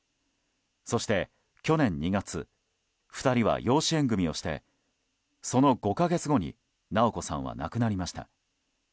そして、去年２月２人は養子縁組をしてその５か月後に直子さんは亡くなりました。